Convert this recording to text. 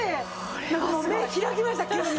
もう目開きました急に。